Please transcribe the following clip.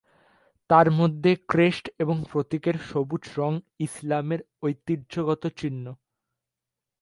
তার মধ্যে ক্রেস্ট ও প্রতীকের সবুজ রঙ ইসলামের ঐতিহ্যগত চিহ্ন।